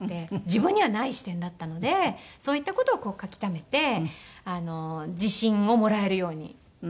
自分にはない視点だったのでそういった事を書きためて自信をもらえるようにしているノートなんです。